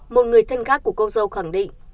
một người thân khác của cô dâu khẳng định